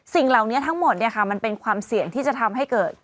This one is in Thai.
สิ่งเหล่านี้ทั้งหมดมันเป็นความเสี่ยงที่จะทำให้เกิด